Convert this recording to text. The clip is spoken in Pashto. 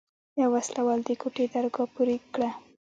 يوه وسله وال د کوټې درګاه پورې کړه.